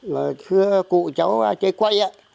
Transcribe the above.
rồi xưa cụ cháu chơi quay ạ